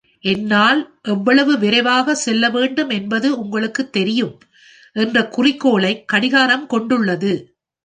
"என்னால் எவ்வளவு விரைவாக செல்ல வேண்டும் என்பது உங்களுக்குத் தெரியும்" என்ற குறிக்கோளைக் கடிகாரம் கொண்டுள்ளது.